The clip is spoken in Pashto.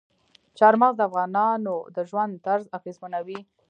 چار مغز د افغانانو د ژوند طرز اغېزمنوي.